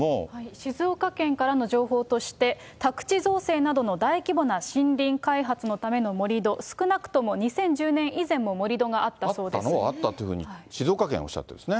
静岡県からの情報として、宅地造成などの大規模な森林開発の盛り土、少なくとも２０１０年あったのはあったというふうに、静岡県がおっしゃってるんですね。